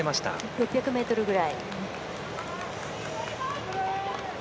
６００ｍぐらいね。